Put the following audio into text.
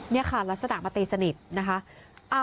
นี่ค่ะลักษณะมาตีสนิทนะคะ